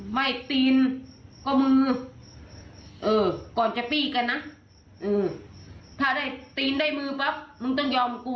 ไว้ตีน